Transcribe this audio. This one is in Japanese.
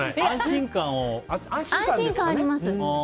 安心感あります。